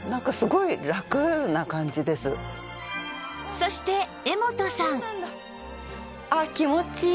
そして絵元さん